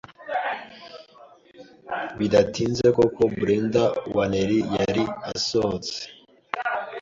bidatinze koko Brendah wa Nelly yari asohotse